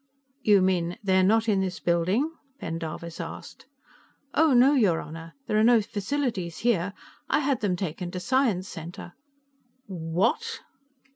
"You mean they're not in this building?" Pendarvis asked. "Oh, no, your Honor, there are no facilities here. I had them taken to Science Center " "_What?